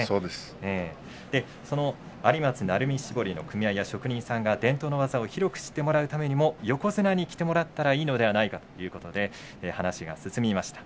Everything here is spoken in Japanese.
有松鳴海絞りの組合や職人さんが伝統の技を広く知ってもらうためにも横綱に着てもらったらいいのではないかと話が進みました。